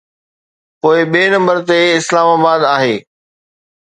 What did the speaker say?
پوءِ ٻئي نمبر تي اسلام آباد آهي.